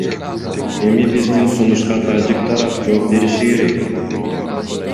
Эми биздин сунушка тажик тарап жооп бериши керек.